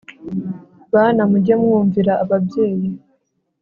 Bana mujye mwumvira ababyeyi